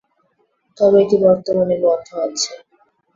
তবে এটি বর্তমানে বন্ধ আছে।